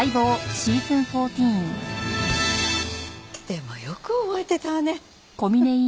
でもよく覚えてたわねフフッ。